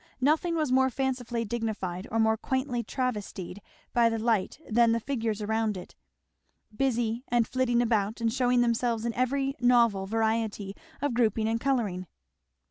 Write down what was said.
Nothing was more fancifully dignified or more quaintly travestied by that light than the figures around it, busy and flitting about and shewing themselves in every novel variety of grouping and colouring.